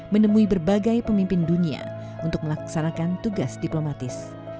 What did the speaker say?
menemui berbagai pemimpin dunia untuk melaksanakan tugas diplomatis